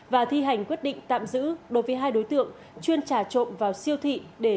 và thi hành quyết định tạm giữ đối với hai đối tượng chuyên trả trộm vào siêu thị để